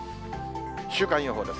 週間予報です。